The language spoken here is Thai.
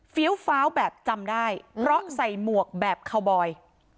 ฟ้าวแบบจำได้เพราะใส่หมวกแบบคาวบอย